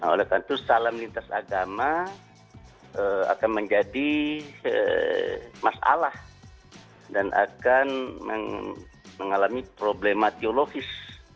oleh karena itu salam lintas agama akan menjadi masalah dan akan mengalami problema teologis